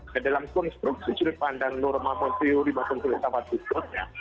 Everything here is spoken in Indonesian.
dan dalam konstruksi sudut pandang normal maupun teori maupun teori sahabat sahabatnya